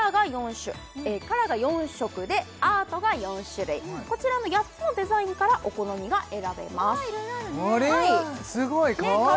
カラーが４色でアートが４種類こちらの８つのデザインからお好みが選べますわ